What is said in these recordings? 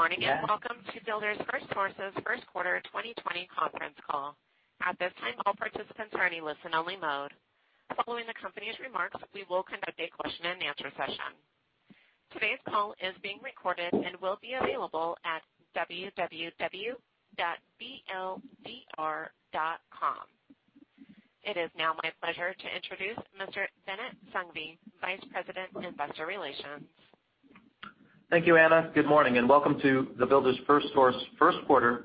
Good morning and welcome to Builders FirstSource's first quarter 2020 conference call. At this time, all participants are in a listen-only mode. Following the company's remarks, we will conduct a question-and-answer session. Today's call is being recorded and will be available at www.bldr.com. It is now my pleasure to introduce Mr. Binit Sanghvi, Vice President, Investor Relations. Thank you, Anna. Good morning and welcome to the Builders FirstSource first quarter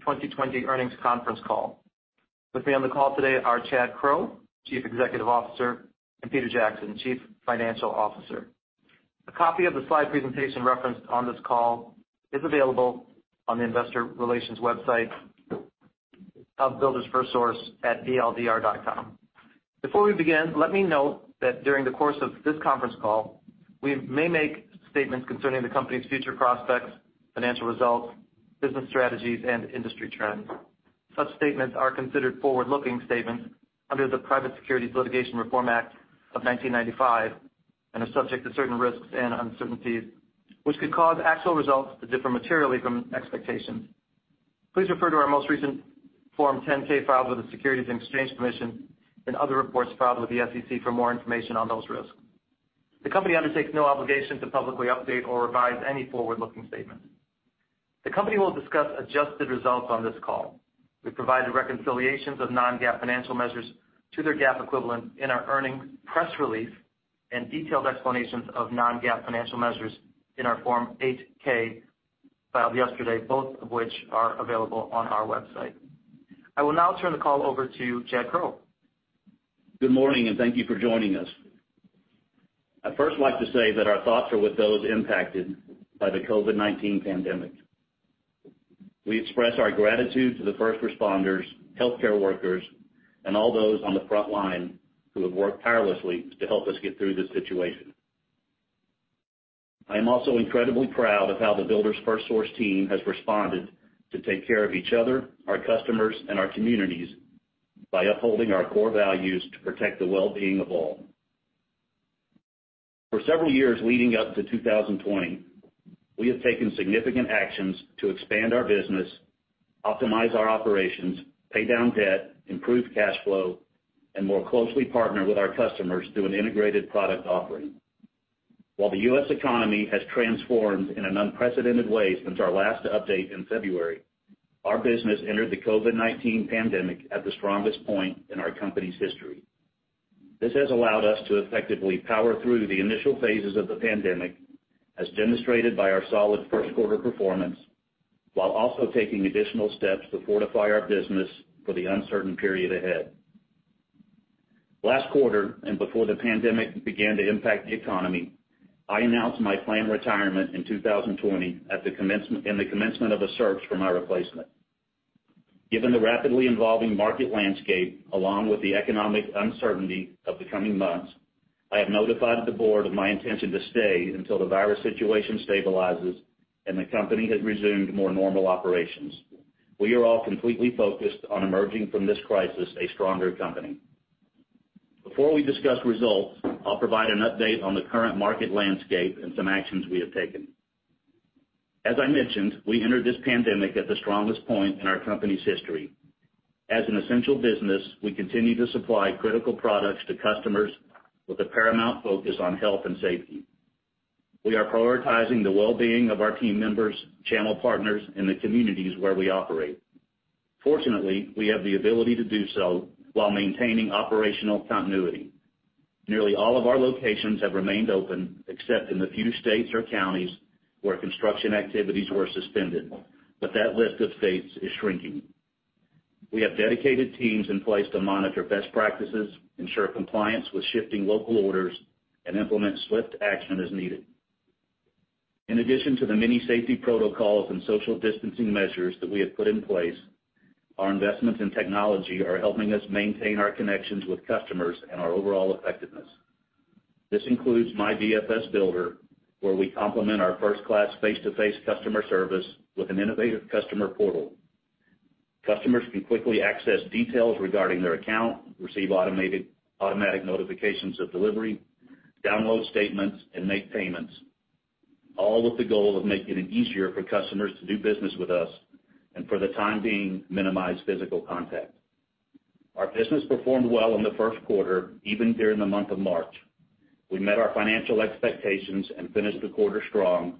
2020 earnings conference call. With me on the call today are Chad Crow, Chief Executive Officer, and Peter Jackson, Chief Financial Officer. A copy of the slide presentation referenced on this call is available on the investor relations website of Builders FirstSource at bldr.com. Before we begin, let me note that during the course of this conference call, we may make statements concerning the company's future prospects, financial results, business strategies, and industry trends. Such statements are considered forward-looking statements under the Private Securities Litigation Reform Act of 1995 and are subject to certain risks and uncertainties, which could cause actual results to differ materially from expectations. Please refer to our most recent Form 10-K filed with the Securities and Exchange Commission and other reports filed with the SEC for more information on those risks. The company undertakes no obligation to publicly update or revise any forward-looking statements. The company will discuss adjusted results on this call. We provide the reconciliations of non-GAAP financial measures to their GAAP equivalent in our earnings press release and detailed explanations of non-GAAP financial measures in our Form 8-K filed yesterday, both of which are available on our website. I will now turn the call over to Chad Crow. Good morning, thank you for joining us. I'd first like to say that our thoughts are with those impacted by the COVID-19 pandemic. We express our gratitude to the first responders, healthcare workers, and all those on the front line who have worked tirelessly to help us get through this situation. I am also incredibly proud of how the Builders FirstSource team has responded to take care of each other, our customers, and our communities by upholding our core values to protect the well-being of all. For several years leading up to 2020, we have taken significant actions to expand our business, optimize our operations, pay down debt, improve cash flow, and more closely partner with our customers through an integrated product offering. While the U.S. economy has transformed in an unprecedented way since our last update in February, our business entered the COVID-19 pandemic at the strongest point in our company's history. This has allowed us to effectively power through the initial phases of the pandemic, as demonstrated by our solid first-quarter performance, while also taking additional steps to fortify our business for the uncertain period ahead. Last quarter, before the pandemic began to impact the economy, I announced my planned retirement in 2020 and the commencement of a search for my replacement. Given the rapidly evolving market landscape, along with the economic uncertainty of the coming months, I have notified the board of my intention to stay until the virus situation stabilizes and the company has resumed more normal operations. We are all completely focused on emerging from this crisis a stronger company. Before we discuss results, I'll provide an update on the current market landscape and some actions we have taken. As I mentioned, we entered this pandemic at the strongest point in our company's history. As an essential business, we continue to supply critical products to customers with a paramount focus on health and safety. We are prioritizing the well-being of our team members, channel partners, and the communities where we operate. Fortunately, we have the ability to do so while maintaining operational continuity. Nearly all of our locations have remained open, except in the few states or counties where construction activities were suspended. That list of states is shrinking. We have dedicated teams in place to monitor best practices, ensure compliance with shifting local orders, and implement swift action as needed. In addition to the many safety protocols and social distancing measures that we have put in place, our investments in technology are helping us maintain our connections with customers and our overall effectiveness. This includes MyBFSBuilder, where we complement our first-class face-to-face customer service with an innovative customer portal. Customers can quickly access details regarding their account, receive automatic notifications of delivery, download statements, and make payments, all with the goal of making it easier for customers to do business with us and for the time being, minimize physical contact. Our business performed well in the first quarter, even during the month of March. We met our financial expectations and finished the quarter strong,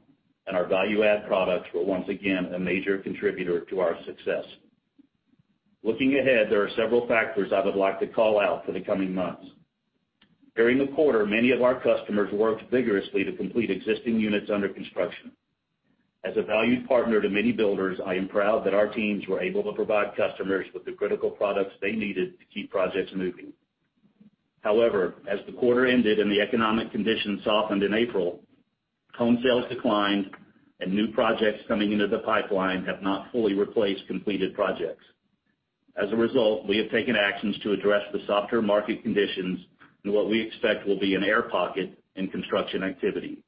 and our value-add products were once again a major contributor to our success. Looking ahead, there are several factors I would like to call out for the coming months. During the quarter, many of our customers worked vigorously to complete existing units under construction. As a valued partner to many builders, I am proud that our teams were able to provide customers with the critical products they needed to keep projects moving. However, as the quarter ended and the economic conditions softened in April, home sales declined and new projects coming into the pipeline have not fully replaced completed projects. As a result, we have taken actions to address the softer market conditions in what we expect will be an air pocket in construction activity.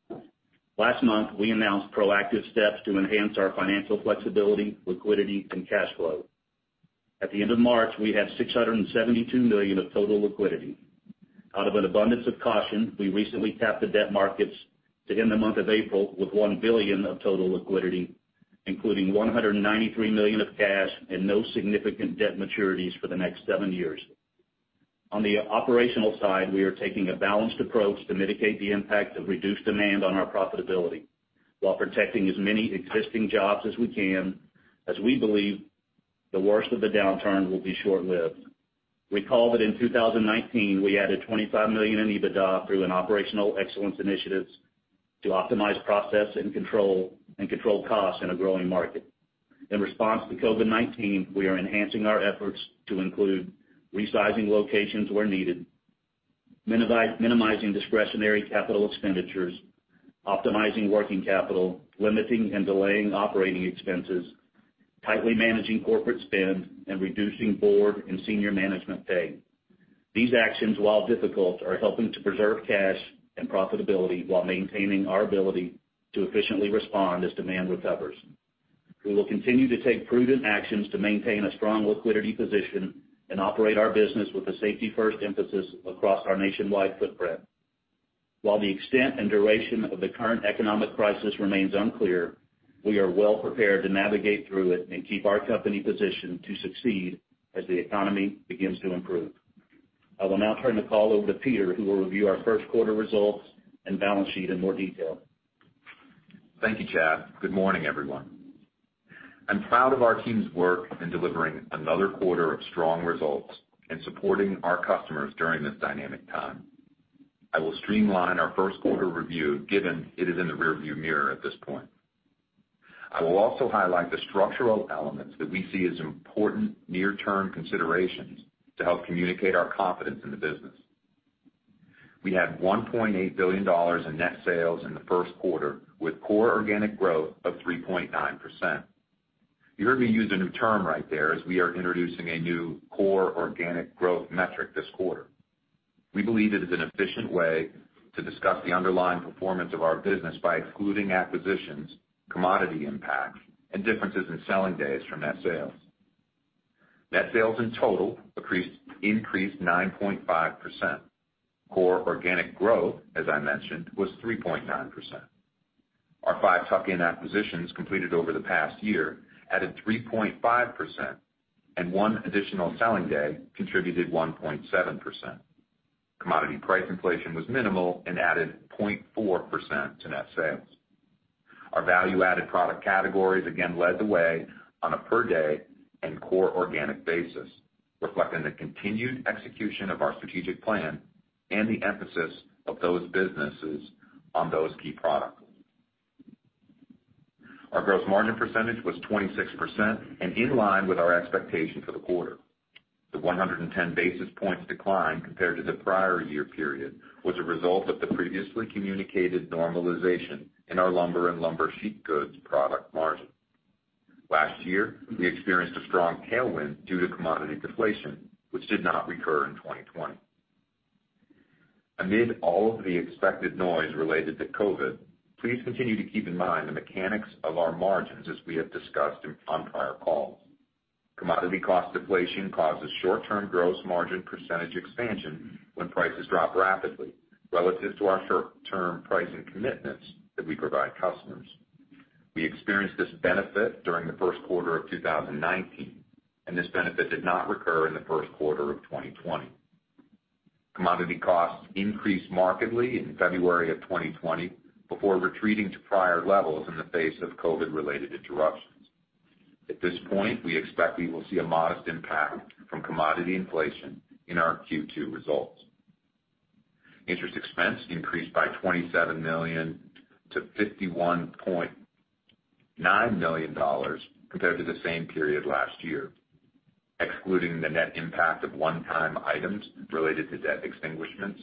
Last month, we announced proactive steps to enhance our financial flexibility, liquidity, and cash flow. At the end of March, we had $672 million of total liquidity. Out of an abundance of caution, we recently tapped the debt markets to end the month of April with $1 billion of total liquidity, including $193 million of cash and no significant debt maturities for the next seven years. On the operational side, we are taking a balanced approach to mitigate the impact of reduced demand on our profitability while protecting as many existing jobs as we can, as we believe the worst of the downturn will be short-lived. Recall that in 2019, we added $25 million in EBITDA through an operational excellence initiatives to optimize process and control costs in a growing market. In response to COVID-19, we are enhancing our efforts to include resizing locations where needed, minimizing discretionary capital expenditures, optimizing working capital, limiting and delaying operating expenses, tightly managing corporate spend, and reducing board and senior management pay. These actions, while difficult, are helping to preserve cash and profitability while maintaining our ability to efficiently respond as demand recovers. We will continue to take prudent actions to maintain a strong liquidity position and operate our business with a safety-first emphasis across our nationwide footprint. While the extent and duration of the current economic crisis remains unclear, we are well prepared to navigate through it and keep our company positioned to succeed as the economy begins to improve. I will now turn the call over to Peter, who will review our first quarter results and balance sheet in more detail. Thank you, Chad. Good morning, everyone. I'm proud of our team's work in delivering another quarter of strong results and supporting our customers during this dynamic time. I will streamline our first quarter review, given it is in the rear-view mirror at this point. I will also highlight the structural elements that we see as important near-term considerations to help communicate our confidence in the business. We had $1.8 billion in net sales in the first quarter, with core organic growth of 3.9%. You heard me use a new term right there, as we are introducing a new core organic growth metric this quarter. We believe it is an efficient way to discuss the underlying performance of our business by excluding acquisitions, commodity impact, and differences in selling days from net sales. Net sales in total increased 9.5%. Core organic growth, as I mentioned, was 3.9%. Our five tuck-in acquisitions completed over the past year added 3.5%, and one additional selling day contributed 1.7%. Commodity price inflation was minimal and added 0.4% to net sales. Our value-added product categories again led the way on a per-day and core organic basis, reflecting the continued execution of our strategic plan and the emphasis of those businesses on those key products. Our gross margin percentage was 26% and in line with our expectation for the quarter. The 110-basis points decline compared to the prior year period was a result of the previously communicated normalization in our lumber and lumber sheet goods product margin. Last year, we experienced a strong tailwind due to commodity deflation, which did not recur in 2020. Amid all of the expected noise related to COVID, please continue to keep in mind the mechanics of our margins as we have discussed on prior calls. Commodity cost deflation causes short-term gross margin percentage expansion when prices drop rapidly relative to our short-term pricing commitments that we provide customers. We experienced this benefit during the first quarter of 2019, and this benefit did not recur in the first quarter of 2020. Commodity costs increased markedly in February of 2020 before retreating to prior levels in the face of COVID-related interruptions. At this point, we expect we will see a modest impact from commodity inflation in our Q2 results. Interest expense increased by $27 million to $51.9 million compared to the same period last year. Excluding the net impact of one-time items related to debt extinguishments,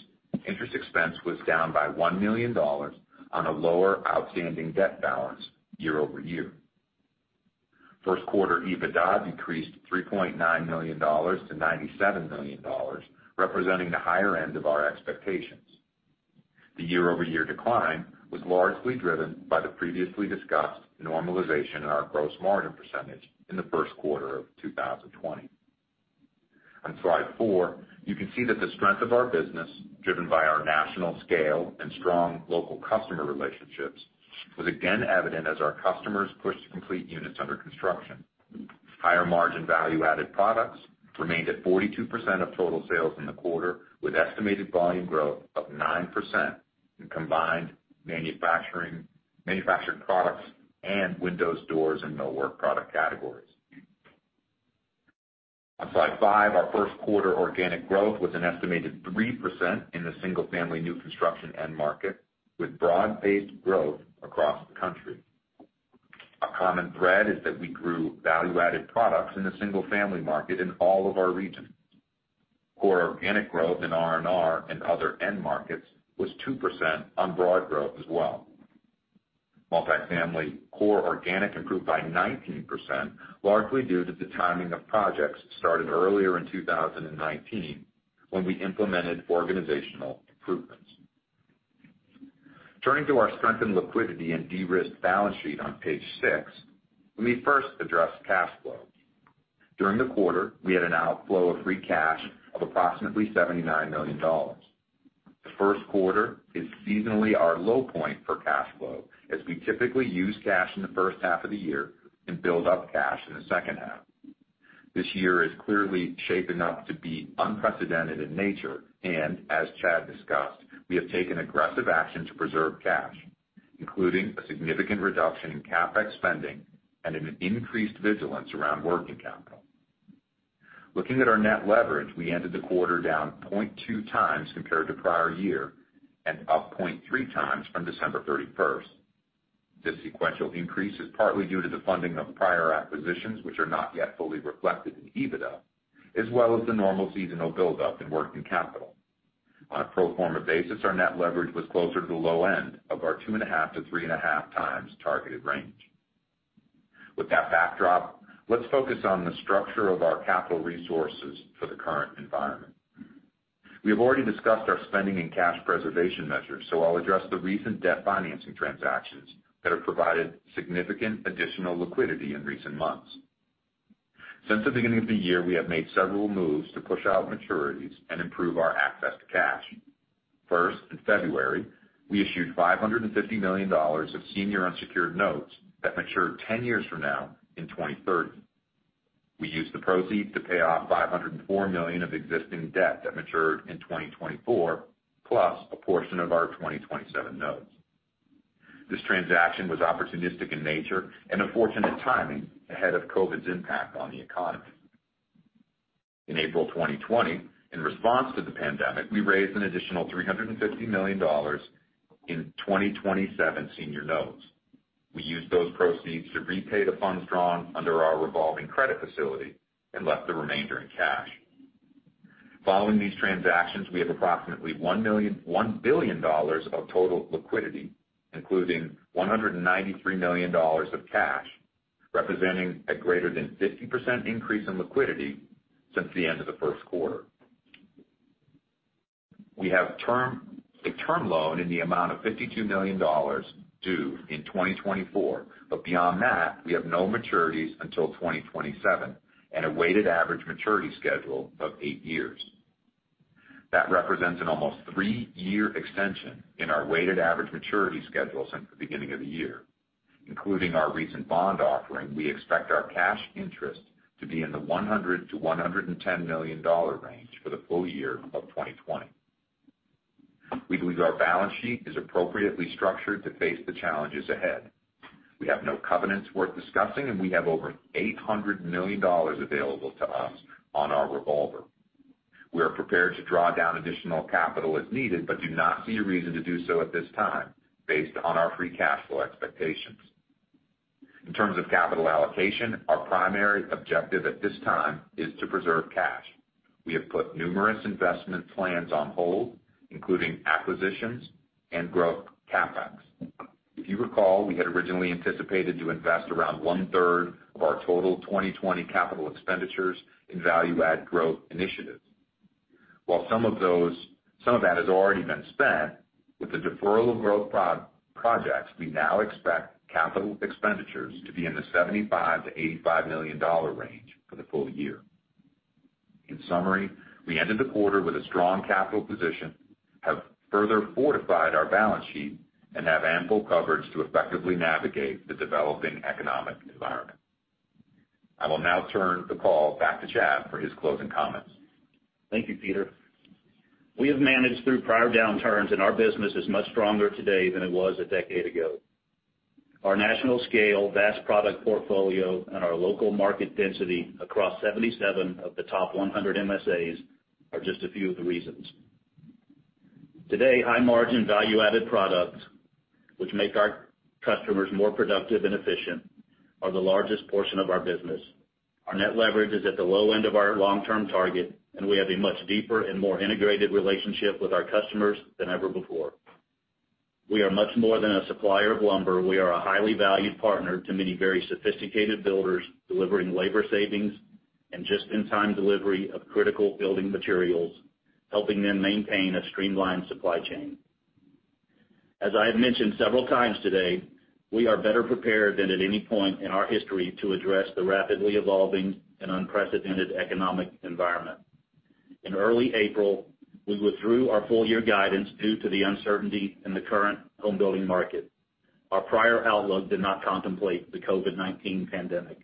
interest expense was down by $1 million on a lower outstanding debt balance year-over-year. First quarter EBITDA decreased $3.9 million-$97 million, representing the higher end of our expectations. The year-over-year decline was largely driven by the previously discussed normalization in our gross margin percentage in the first quarter of 2020. On Slide four, you can see that the strength of our business, driven by our national scale and strong local customer relationships, was again evident as our customers pushed to complete units under construction. Higher-margin value-added products remained at 42% of total sales in the quarter, with estimated volume growth of 9% in combined manufacturing, manufactured products, and windows, doors, and millwork product categories. On slide five, our first quarter organic growth was an estimated 3% in the single-family new construction end market, with broad-based growth across the country. A common thread is that we grew value-added products in the single-family market in all of our regions. Core organic growth in R&R and other end markets was 2% on broad growth as well. Multifamily core organic improved by 19%, largely due to the timing of projects started earlier in 2019, when we implemented organizational improvements. Turning to our strength and liquidity and de-risk balance sheet on Page six, let me first address cash flow. During the quarter, we had an outflow of free cash of approximately $79 million. The first quarter is seasonally our low point for cash flow, as we typically use cash in the first half of the year and build up cash in the second half. This year is clearly shaping up to be unprecedented in nature, and as Chad discussed, we have taken aggressive action to preserve cash, including a significant reduction in CapEx spending and an increased vigilance around working capital. Looking at our net leverage, we ended the quarter down 0.2x compared to prior year, and up 0.3x from December 31st. This sequential increase is partly due to the funding of prior acquisitions, which are not yet fully reflected in EBITDA, as well as the normal seasonal buildup in working capital. On a pro forma basis, our net leverage was closer to the low end of our 2.5x-3.5x targeted range. With that backdrop, let's focus on the structure of our capital resources for the current environment. We have already discussed our spending and cash preservation measures, I'll address the recent debt financing transactions that have provided significant additional liquidity in recent months. Since the beginning of the year, we have made several moves to push out maturities and improve our access to cash. First, in February, we issued $550 million of senior unsecured notes that mature 10 years from now in 2030. We used the proceeds to pay off $504 million of existing debt that matured in 2024, plus a portion of our 2027 notes. This transaction was opportunistic in nature and a fortunate timing ahead of COVID's impact on the economy. In April 2020, in response to the pandemic, we raised an additional $350 million in 2027 senior notes. We used those proceeds to repay the funds drawn under our revolving credit facility and left the remainder in cash. Following these transactions, we have approximately $1 billion of total liquidity, including $193 million of cash, representing a greater than 50% increase in liquidity since the end of the first quarter. We have a term loan in the amount of $52 million due in 2024, but beyond that, we have no maturities until 2027 and a weighted average maturity schedule of eight years. That represents an almost three-year extension in our weighted average maturity schedule since the beginning of the year. Including our recent bond offering, we expect our cash interest to be in the $100 million-$110 million range for the full-year of 2020. We believe our balance sheet is appropriately structured to face the challenges ahead. We have no covenants worth discussing, and we have over $800 million available to us on our revolver. We are prepared to draw down additional capital as needed, but do not see a reason to do so at this time based on our free cash flow expectations. In terms of capital allocation, our primary objective at this time is to preserve cash. We have put numerous investment plans on hold, including acquisitions and growth CapEx. If you recall, we had originally anticipated to invest around 1/3 of our total 2020 capital expenditures in value-add growth initiatives. While some of that has already been spent, with the deferral of growth projects, we now expect capital expenditures to be in the $75 million-$85 million range for the full-year. In summary, we ended the quarter with a strong capital position, have further fortified our balance sheet, and have ample coverage to effectively navigate the developing economic environment. I will now turn the call back to Chad for his closing comments. Thank you, Peter. We have managed through prior downturns. Our business is much stronger today than it was a decade ago. Our national scale, vast product portfolio, and our local market density across 77 of the top 100 MSAs are just a few of the reasons. Today, high-margin, value-added products, which make our customers more productive and efficient, are the largest portion of our business. Our net leverage is at the low end of our long-term target. We have a much deeper and more integrated relationship with our customers than ever before. We are much more than a supplier of lumber. We are a highly valued partner to many very sophisticated builders, delivering labor savings and just-in-time delivery of critical building materials, helping them maintain a streamlined supply chain. As I have mentioned several times today, we are better prepared than at any point in our history to address the rapidly evolving and unprecedented economic environment. In early April, we withdrew our full-year guidance due to the uncertainty in the current home building market. Our prior outlook did not contemplate the COVID-19 pandemic.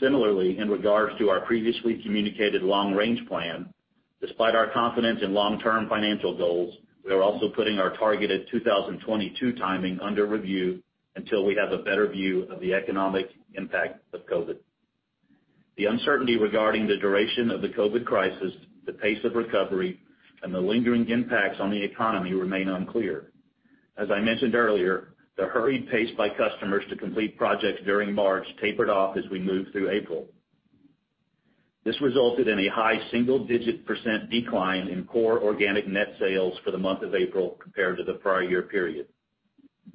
Similarly, in regards to our previously communicated long-range plan, despite our confidence in long-term financial goals, we are also putting our targeted 2022 timing under review until we have a better view of the economic impact of COVID. The uncertainty regarding the duration of the COVID crisis, the pace of recovery, and the lingering impacts on the economy remain unclear. As I mentioned earlier, the hurried pace by customers to complete projects during March tapered off as we moved through April. This resulted in a high single-digit percent decline in core organic net sales for the month of April compared to the prior year period.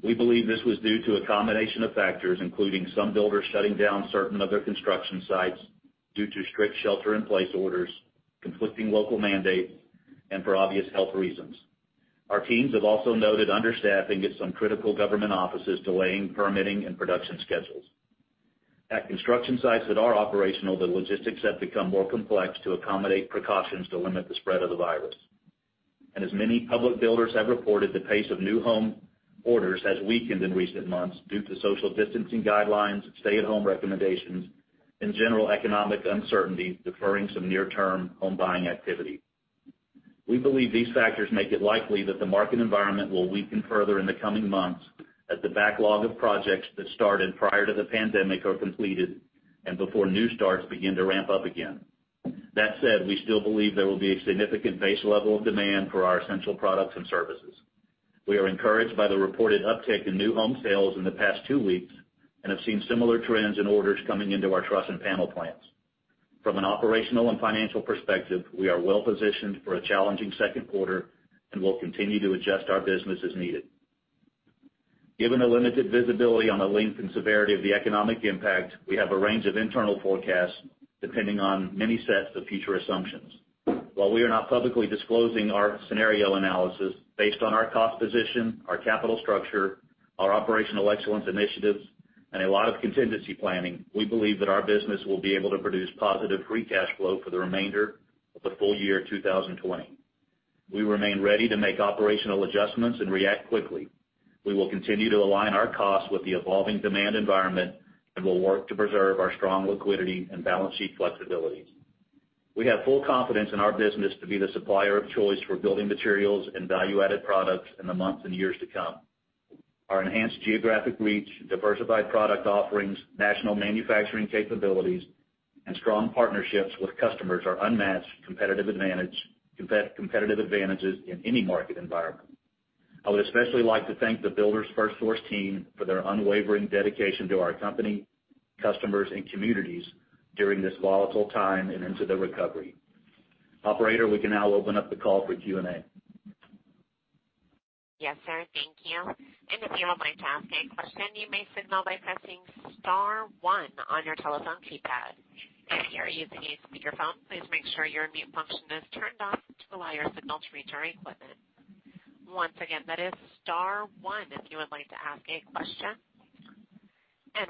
We believe this was due to a combination of factors, including some builders shutting down certain of their construction sites due to strict shelter-in-place orders, conflicting local mandates, and for obvious health reasons. Our teams have also noted under-staffing at some critical government offices delaying permitting and production schedules. At construction sites that are operational, the logistics have become more complex to accommodate precautions to limit the spread of the virus. As many public builders have reported, the pace of new home orders has weakened in recent months due to social distancing guidelines, stay-at-home recommendations, and general economic uncertainty deferring some near-term home buying activity. We believe these factors make it likely that the market environment will weaken further in the coming months as the backlog of projects that started prior to the pandemic are completed and before new starts begin to ramp up again. That said, we still believe there will be a significant base level of demand for our essential products and services. We are encouraged by the reported uptick in new home sales in the past two weeks and have seen similar trends in orders coming into our truss and panel plants. From an operational and financial perspective, we are well-positioned for a challenging second quarter and will continue to adjust our business as needed. Given the limited visibility on the length and severity of the economic impact, we have a range of internal forecasts depending on many sets of future assumptions. While we are not publicly disclosing our scenario analysis, based on our cost position, our capital structure, our operational excellence initiatives, and a lot of contingency planning, we believe that our business will be able to produce positive free cash flow for the remainder of the full-year 2020. We remain ready to make operational adjustments and react quickly. We will continue to align our costs with the evolving demand environment and will work to preserve our strong liquidity and balance sheet flexibilities. We have full confidence in our business to be the supplier of choice for building materials and value-added products in the months and years to come. Our enhanced geographic reach, diversified product offerings, national manufacturing capabilities, and strong partnerships with customers are unmatched competitive advantages in any market environment. I would especially like to thank the Builders FirstSource team for their unwavering dedication to our company, customers, and communities during this volatile time and into the recovery. Operator, we can now open up the call for Q&A. Yes, sir. Thank you. If you would like to ask a question, you may signal by pressing star one on your telephone keypad. If you are using a speakerphone, please make sure your mute function is turned on to allow your signal to reach our equipment. Once again, that is star one if you would like to ask a question.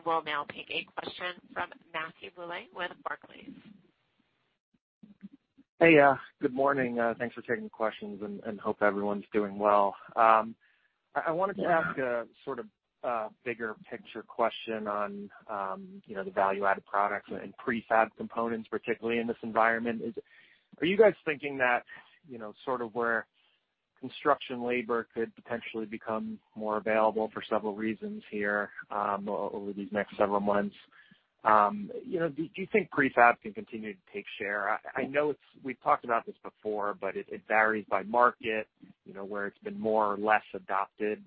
We'll now take a question from Matthew Bouley with Barclays. Hey. Good morning. Thanks for taking the questions, and hope everyone's doing well. I wanted to ask a sort of bigger picture question on the value-added products and prefab components, particularly in this environment. Are you guys thinking that, sort of where construction labor could potentially become more available for several reasons here over these next several months, do you think prefab can continue to take share? I know we've talked about this before, but it varies by market, where it's been more or less adopted.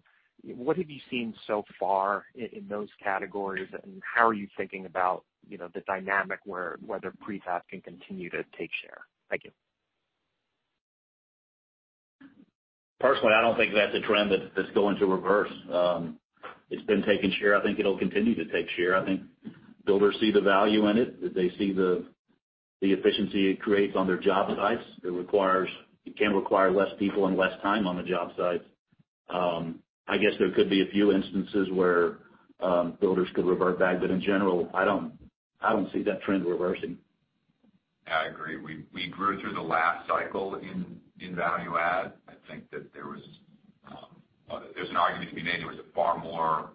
What have you seen so far in those categories, and how are you thinking about the dynamic where whether prefab can continue to take share? Thank you. Personally, I don't think that's a trend that's going to reverse. It's been taking share. I think it'll continue to take share. I think builders see the value in it, that they see the efficiency it creates on their job sites. It can require less people and less time on the job site. I guess there could be a few instances where builders could revert back, but in general, I don't see that trend reversing. I agree. We grew through the last cycle in value add. I think that there's an argument to be made there was far more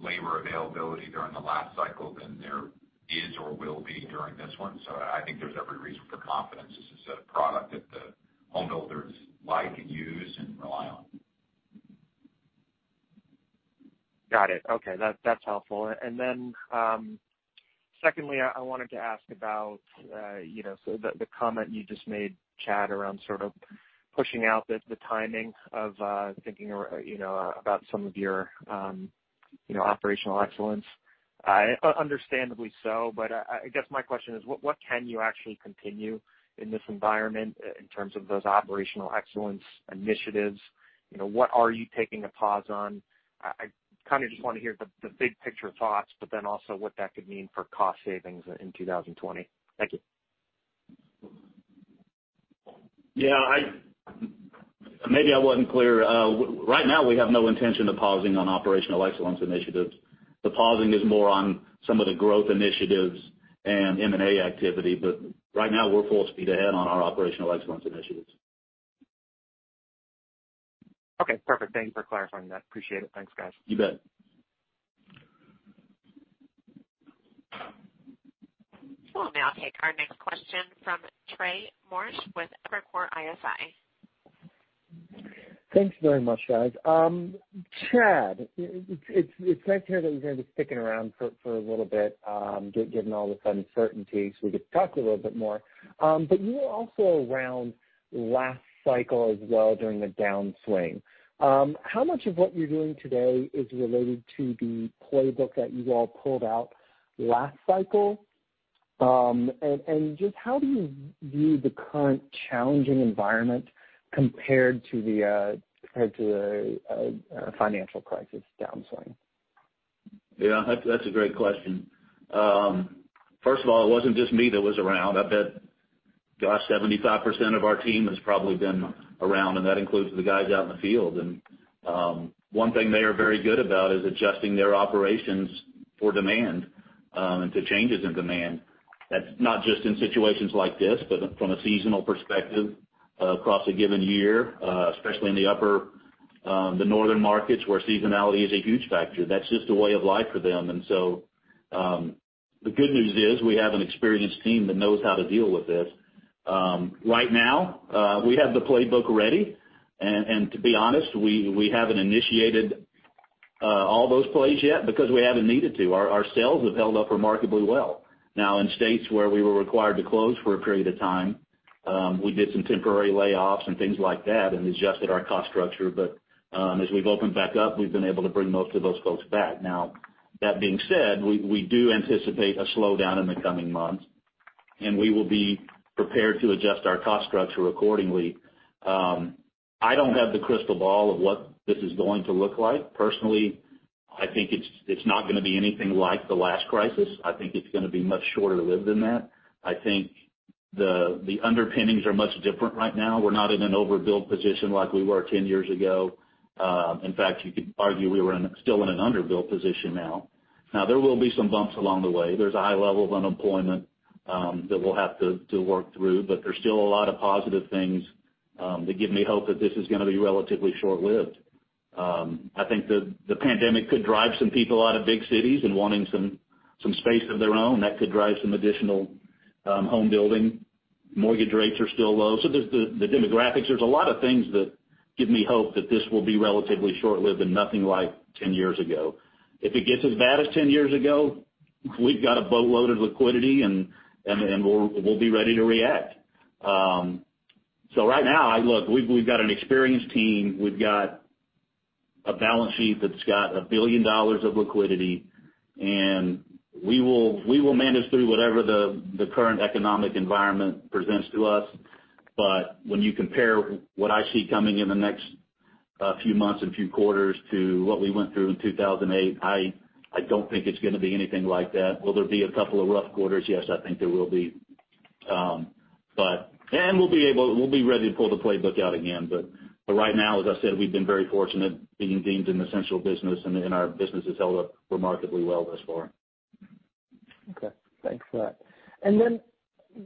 labor availability during the last cycle than there is or will be during this one. I think there's every reason for confidence. This is a product that the home builders like, use, and rely on. Got it. Okay. That's helpful. Secondly, I wanted to ask about the comment you just made, Chad, around sort of pushing out the timing of thinking about some of your operational excellence. Understandably so, but I guess my question is, what can you actually continue in this environment in terms of those operational excellence initiatives? What are you taking a pause on? I kind of just want to hear the big picture thoughts, but then also what that could mean for cost savings in 2020. Thank you. Yeah. Maybe I wasn't clear. Right now, we have no intention of pausing on operational excellence initiatives. The pausing is more on some of the growth initiatives and M&A activity. Right now, we're full speed ahead on our operational excellence initiatives. Okay, perfect. Thank you for clarifying that. Appreciate it. Thanks, guys. You bet. We'll now take our next question from Trey Morrish with Evercore ISI. Thanks very much, guys. Chad, it's nice to hear that you're going to be sticking around for a little bit, given all this uncertainty, so we get to talk a little bit more. You were also around last cycle as well during the downswing. How much of what you're doing today is related to the playbook that you all pulled out last cycle? Just how do you view the current challenging environment compared to the financial crisis downswing? Yeah, that's a great question. First of all, it wasn't just me that was around. I bet, gosh, 75% of our team has probably been around, and that includes the guys out in the field. One thing they are very good about is adjusting their operations for demand, and to changes in demand. That's not just in situations like this, but from a seasonal perspective across a given year, especially in the northern markets where seasonality is a huge factor. That's just a way of life for them. The good news is we have an experienced team that knows how to deal with this. Right now, we have the playbook ready, and to be honest, we haven't initiated all those plays yet because we haven't needed to. Our sales have held up remarkably well. In states where we were required to close for a period of time, we did some temporary layoffs and things like that and adjusted our cost structure. As we've opened back up, we've been able to bring most of those folks back. That being said, we do anticipate a slowdown in the coming months, and we will be prepared to adjust our cost structure accordingly. I don't have the crystal ball of what this is going to look like. Personally, I think it's not going to be anything like the last crisis. I think it's going to be much shorter-lived than that. I think the underpinnings are much different right now. We're not in an overbuilt position like we were 10 years ago. In fact, you could argue we were still in an underbuilt position now. There will be some bumps along the way. There's a high level of unemployment that we'll have to work through, but there's still a lot of positive things that give me hope that this is going to be relatively short-lived. I think the pandemic could drive some people out of big cities and wanting some space of their own. That could drive some additional home building. Mortgage rates are still low. There's the demographics. There's a lot of things that give me hope that this will be relatively short-lived and nothing like 10 years ago. If it gets as bad as 10 years ago, we've got a boatload of liquidity, and we'll be ready to react. Right now, look, we've got an experienced team. We've got a balance sheet that's got $1 billion of liquidity, and we will manage through whatever the current economic environment presents to us. When you compare what I see coming in the next few months and few quarters to what we went through in 2008, I don't think it's going to be anything like that. Will there be a couple of rough quarters? Yes, I think there will be. We'll be ready to pull the playbook out again. For right now, as I said, we've been very fortunate being deemed an essential business, and our business has held up remarkably well thus far. Okay. Thanks for that.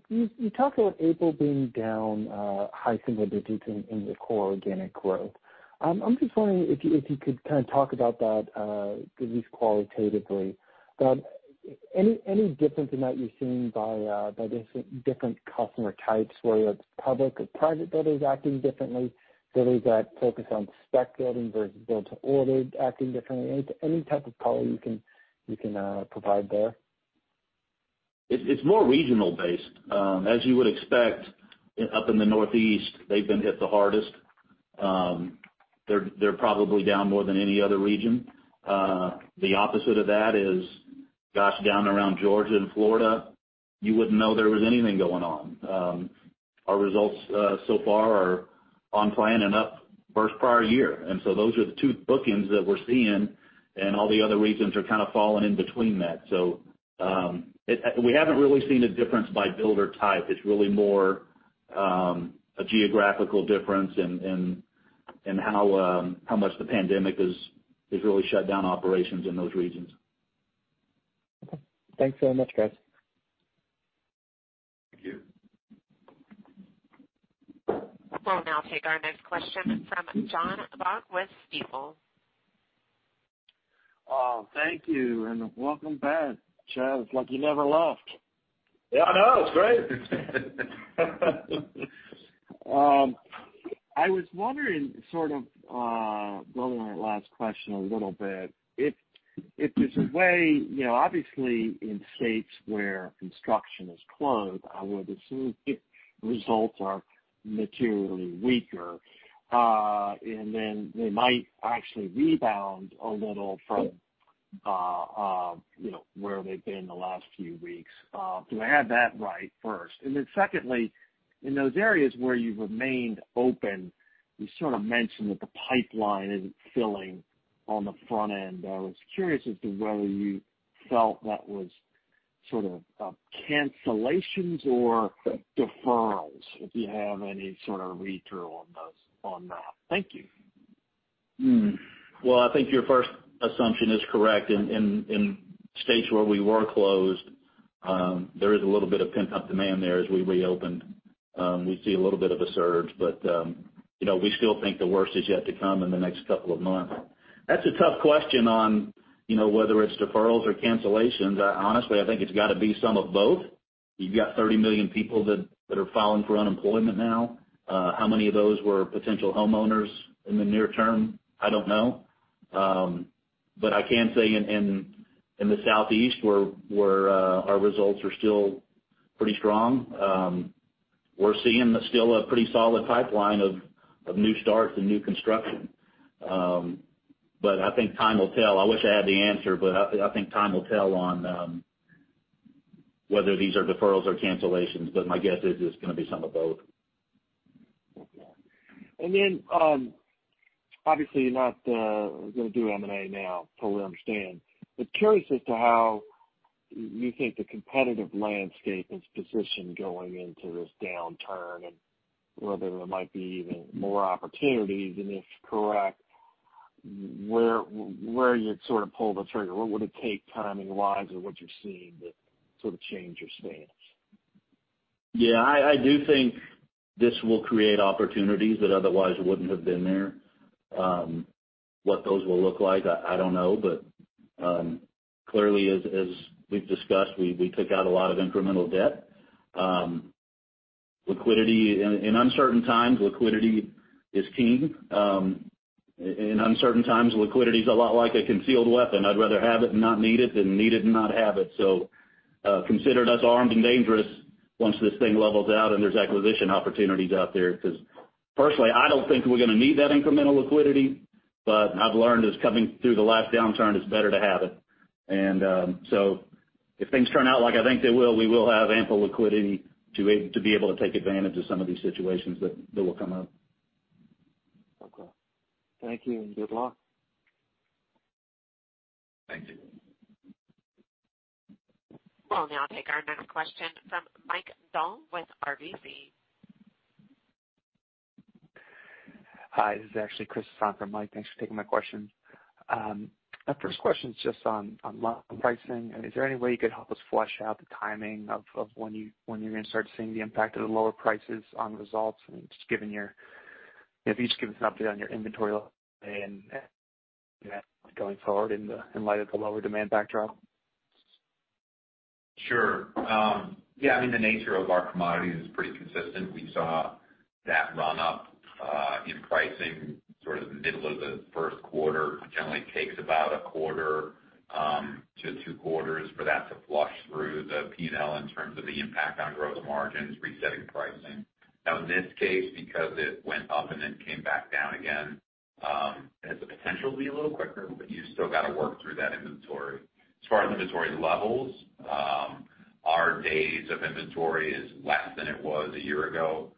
You talked about April being down high single-digits in your core organic growth. I'm just wondering if you could kind of talk about that, at least qualitatively. Any difference in that you're seeing by different customer types, whether it's public or private builders acting differently, builders that focus on spec building versus build to order acting differently? Any type of color you can provide there? It's more regional based. As you would expect, up in the Northeast, they've been hit the hardest. They're probably down more than any other region. The opposite of that is, gosh, down around Georgia and Florida, you wouldn't know there was anything going on. Our results so far are on plan and up versus prior year. Those are the two bookings that we're seeing, and all the other regions are kind of falling in between that. We haven't really seen a difference by builder type. It's really more a geographical difference in how much the pandemic has really shut down operations in those regions. Okay. Thanks so much, guys. Thank you. We'll now take our next question from John Baugh with Stifel. Oh, thank you, welcome back, Chad. It's like you never left. Yeah, I know. It's great. I was wondering, sort of building on that last question a little bit, if there's a way, obviously in states where construction is closed, I would assume results are materially weaker. They might actually rebound a little from where they've been the last few weeks. Do I have that right first? Secondly, in those areas where you've remained open, you sort of mentioned that the pipeline isn't filling on the front end. I was curious as to whether you felt that was sort of cancellations or deferrals, if you have any sort of read through on that. Thank you. I think your first assumption is correct. In states where we were closed, there is a little bit of pent-up demand there as we reopened. We see a little bit of a surge, but we still think the worst is yet to come in the next couple of months. That's a tough question on whether it's deferrals or cancellations. Honestly, I think it's got to be some of both. You've got 30 million people that are filing for unemployment now. How many of those were potential homeowners in the near-term? I don't know. I can say in the Southeast where our results are still pretty strong, we're seeing still a pretty solid pipeline of new starts and new construction. I think time will tell. I wish I had the answer, but I think time will tell on whether these are deferrals or cancellations. My guess is it's going to be some of both. Obviously you're not going to do M&A now, totally understand. Curious as to how you think the competitive landscape is positioned going into this downturn, and whether there might be even more opportunities. If correct, where you'd sort of pull the trigger. What would it take timing-wise or what you're seeing to sort of change your stance? Yeah, I do think this will create opportunities that otherwise wouldn't have been there. What those will look like, I don't know. Clearly as we've discussed, we took out a lot of incremental debt. In uncertain times, liquidity is king. In uncertain times, liquidity is a lot like a concealed weapon. I'd rather have it and not need it, than need it and not have it. Consider us armed and dangerous once this thing levels out and there's acquisition opportunities out there. Personally, I don't think we're going to need that incremental liquidity, but I've learned as coming through the last downturn, it's better to have it. If things turn out like I think they will, we will have ample liquidity to be able to take advantage of some of these situations that will come up. Okay. Thank you and good luck. Thank you. We'll now take our next question from Mike Dahl with RBC. Hi, this is actually Chris on for Mike. Thanks for taking my question. My first question is just on lumber pricing. Is there any way you could help us flush out the timing of when you're going to start seeing the impact of the lower prices on results, and if you could just give us an update on your inventory going forward in light of the lower demand backdrop? Sure. Yeah, the nature of our commodities is pretty consistent. We saw that run up in pricing sort of the middle of the first quarter. It generally takes about a quarter to two quarters for that to flush through the P&L in terms of the impact on gross margins, resetting pricing. In this case, because it went up and then came back down again, it has the potential to be a little quicker, you still got to work through that inventory. As far as inventory levels, our days of inventory is less than it was a year ago.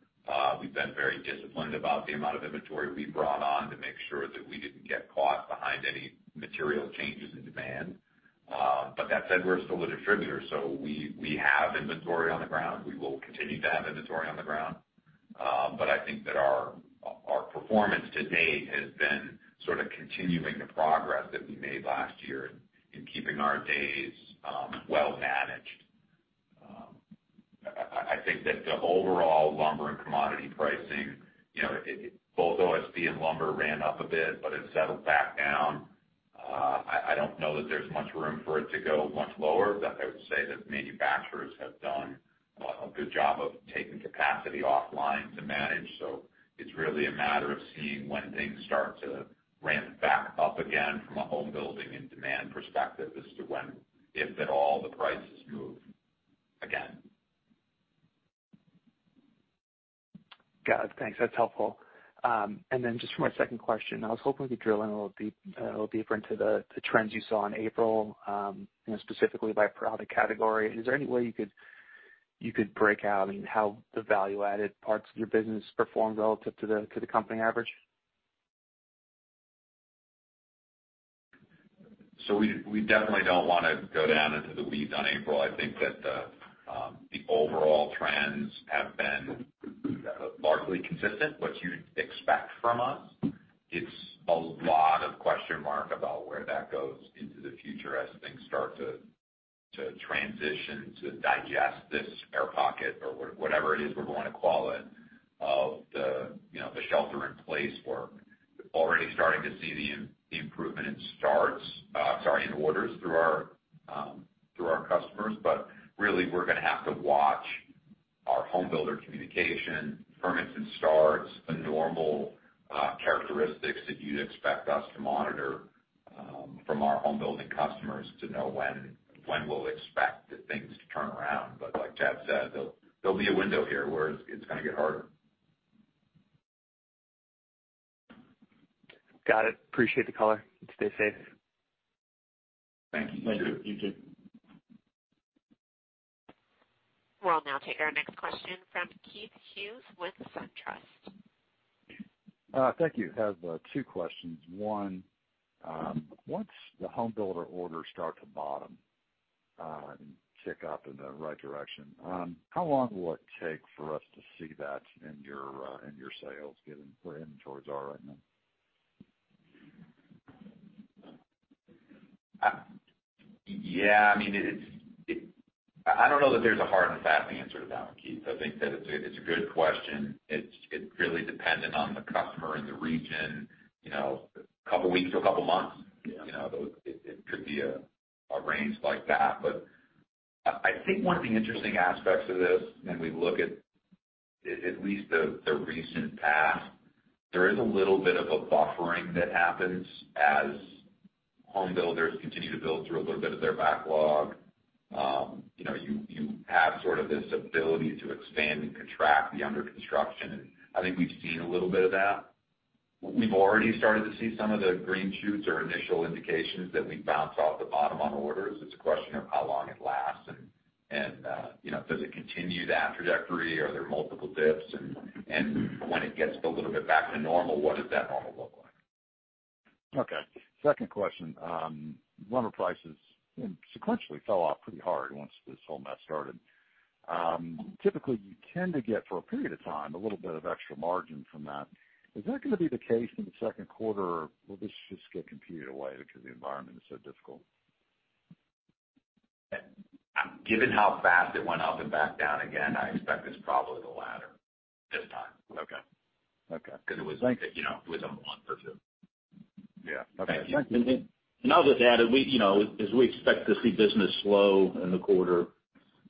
We've been very disciplined about the amount of inventory we've brought on to make sure that we didn't get caught behind any material changes in demand. That said, we're still a distributor, we have inventory on the ground. We will continue to have inventory on the ground. I think that our performance to date has been sort of continuing the progress that we made last year in keeping our days well managed. I think that the overall lumber and commodity pricing, both OSB and lumber ran up a bit, but have settled back down. I don't know that there's much room for it to go much lower, but I would say that manufacturers have done a good job of taking capacity offline to manage. It's really a matter of seeing when things start to ramp back up again from a home building and demand perspective as to when, if at all, the prices move again. Got it. Thanks. That's helpful. Just for my second question, I was hoping we could drill in a little deeper into the trends you saw in April, specifically by product category. Is there any way you could break out how the value-added parts of your business performed relative to the company average? We definitely don't want to go down into the weeds on April. I think that the overall trends have been largely consistent, what you'd expect from us. It's a lot of question mark about where that goes into the future as things start to transition to digest this air pocket or whatever it is we're going to call it, of the shelter in place work. Already starting to see the improvement in orders through our customers. Really we're going to have to watch our home builder communication, permits and starts, the normal characteristics that you'd expect us to monitor from our home building customers to know when we'll expect things to turn around. Like Chad said, there'll be a window here where it's going to get harder. Got it. Appreciate the color. Stay safe. Thank you. Thank you. You too. We'll now take our next question from Keith Hughes with SunTrust. Thank you. I have two questions. One, once the home builder orders start to bottom, and tick up in the right direction, how long will it take for us to see that in your sales, given where inventories are right now? Yeah. I don't know that there's a hard and fast answer to that one, Keith. As I said, it's a good question. It's really dependent on the customer and the region. A couple of weeks to a couple of months. Yeah. It could be a range like that. I think one of the interesting aspects of this when we look at least the recent past, there is a little bit of a buffering that happens as home builders continue to build through a little bit of their backlog. You have sort of this ability to expand and contract the under construction, and I think we've seen a little bit of that. We've already started to see some of the green shoots or initial indications that we've bounced off the bottom on orders. It's a question of how long it lasts, and does it continue that trajectory? Are there multiple dips? When it gets a little bit back to normal, what does that normal look like? Okay. Second question. Lumber prices sequentially fell off pretty hard once this whole mess started. Typically, you tend to get, for a period of time, a little bit of extra margin from that. Is that going to be the case in the second quarter, or will this just get competed away because the environment is so difficult? Given how fast it went up and back down again, I expect it's probably the latter this time. Okay. Because it was a month or two. Yeah. Okay. I'll just add, as we expect to see business slow in the quarter,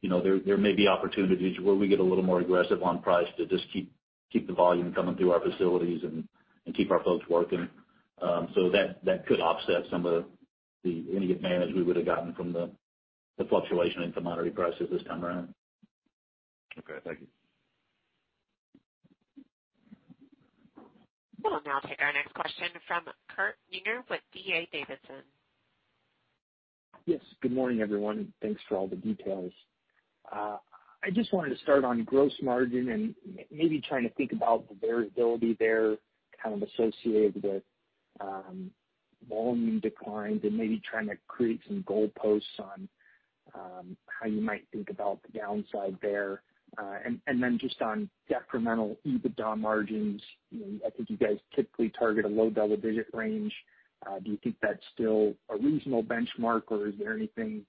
there may be opportunities where we get a little more aggressive on price to just keep the volume coming through our facilities and keep our folks working. That could offset some of any advantage we would have gotten from the fluctuation in commodity prices this time around. Okay, thank you. We'll now take our next question from Kurt Yinger with D.A. Davidson. Good morning, everyone, and thanks for all the details. I just wanted to start on gross margin and maybe trying to think about the variability there kind of associated with volume declines and maybe trying to create some goalposts on how you might think about the downside there. Just on decremental EBITDA margins, I think you guys typically target a low double-digit range. Do you think that's still a reasonable benchmark, or is there anything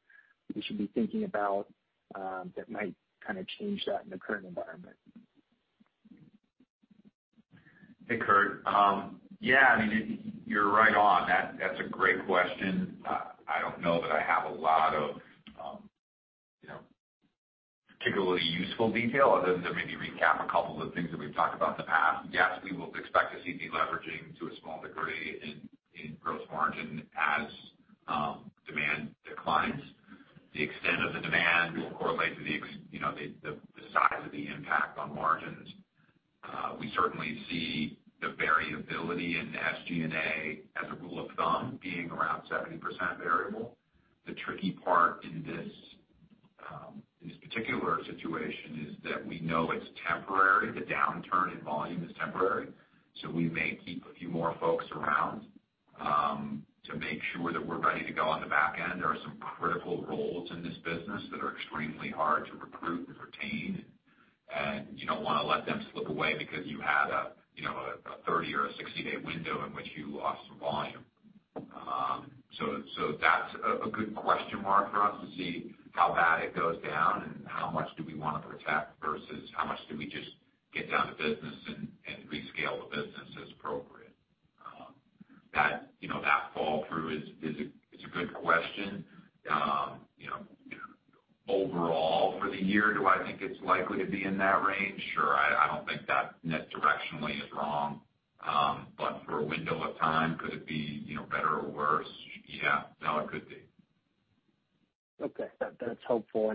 we should be thinking about that might kind of change that in the current environment? Hey, Kurt. Yeah, you're right on. That's a great question. I don't know that I have a lot of particularly useful detail other than to maybe recap a couple of things that we've talked about in the past. Yes, we will expect to see deleveraging to a small degree in gross margin as demand declines. The extent of the demand will correlate to the size of the impact on margins. We certainly see the variability in SG&A as a rule of thumb being around 70% variable. The tricky part in this particular situation is that we know it's temporary. The downturn in volume is temporary. We may keep a few more folks around to make sure that we're ready to go on the back end. There are some critical roles in this business that are extremely hard to recruit and retain, and you don't want to let them slip away because you had a 30- or a 60-day window in which you lost some volume. That's a good question mark for us to see how bad it goes down and how much do we want to protect versus how much do we just get down to business and rescale the business as appropriate. That fall through is a good question. Overall for the year, do I think it's likely to be in that range? Sure. I don't think that net directionally is wrong. For a window of time, could it be better or worse? Yeah. Now it could be. Okay. That's helpful.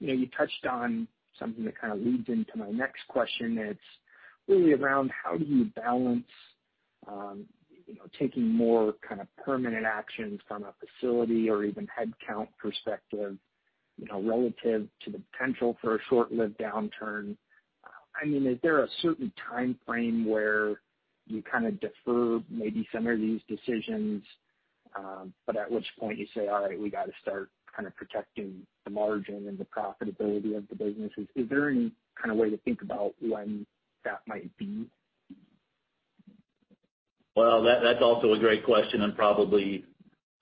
You touched on something that kind of leads into my next question. It's really around how do you balance taking more kind of permanent actions from a facility or even headcount perspective, relative to the potential for a short-lived downturn. Is there a certain time frame where you kind of defer maybe some of these decisions, but at which point you say, All right, we got to start kind of protecting the margin and the profitability of the businesses. Is there any kind of way to think about when that might be? Well, that's also a great question, probably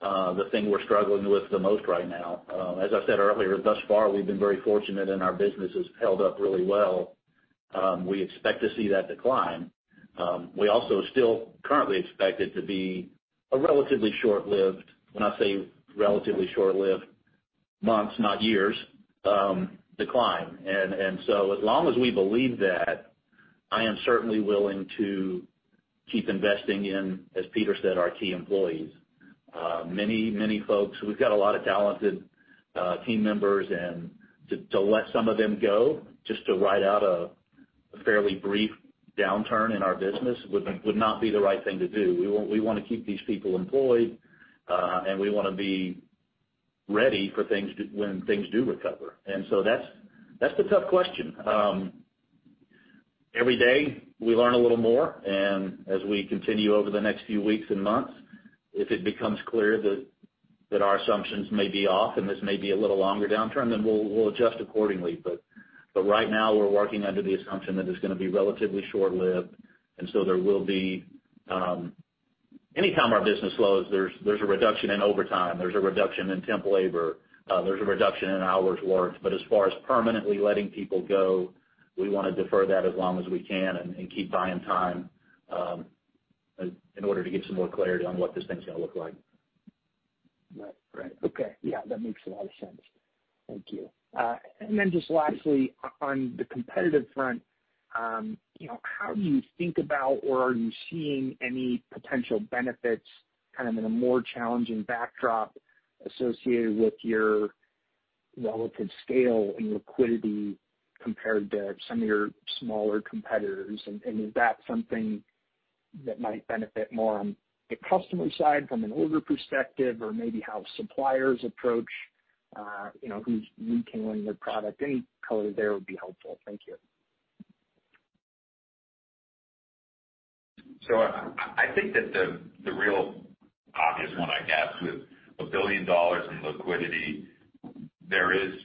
the thing we're struggling with the most right now. As I said earlier, thus far, we've been very fortunate, our business has held up really well. We expect to see that decline. We also still currently expect it to be a relatively short-lived, when I say relatively short-lived, months, not years, decline. As long as we believe that, I am certainly willing to keep investing in, as Peter said, our key employees. Many folks, we've got a lot of talented team members, to let some of them go just to ride out a fairly brief downturn in our business would not be the right thing to do. We want to keep these people employed, we want to be ready for when things do recover. That's the tough question. Every day, we learn a little more, and as we continue over the next few weeks and months, if it becomes clear that our assumptions may be off and this may be a little longer downturn, then we'll adjust accordingly. Right now, we're working under the assumption that it's going to be relatively short-lived, anytime our business slows, there's a reduction in overtime, there's a reduction in temp labor, there's a reduction in hours worked. As far as permanently letting people go, we want to defer that as long as we can and keep buying time in order to get some more clarity on what this thing's going to look like. Right. Okay. Yeah, that makes a lot of sense. Thank you. Just lastly, on the competitive front, how do you think about, or are you seeing any potential benefits, kind of in a more challenging backdrop associated with your relative scale and liquidity compared to some of your smaller competitors. Is that something that might benefit more on the customer side from an order perspective, or maybe how suppliers approach who's retailing their product? Any color there would be helpful. Thank you. I think that the real obvious one, I guess, with $1 billion in liquidity, there is